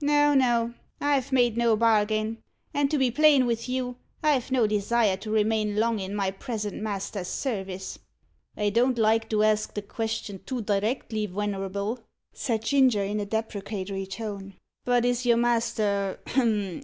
"No, no, I've made no bargain. And to be plain with you, I've no desire to remain long in my present master's service." "I don't like to ask the question too directly, wenerable," said Ginger, in a deprecatory tone "but is your master hem!